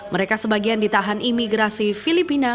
mereka sebagian ditahan imigrasi filipina